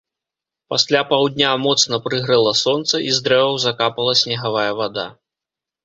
Пасля паўдня моцна прыгрэла сонца, і з дрэваў закапала снегавая вада.